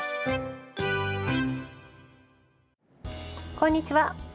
こんにちは。